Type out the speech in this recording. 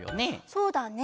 そうだね。